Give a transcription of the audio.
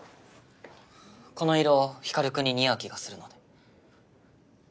この色光君に似合う気がするので。